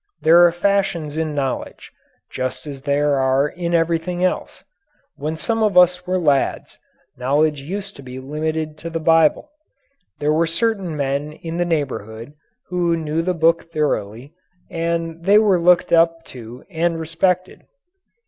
There are fashions in knowledge, just as there are in everything else. When some of us were lads, knowledge used to be limited to the Bible. There were certain men in the neighbourhood who knew the Book thoroughly, and they were looked up to and respected.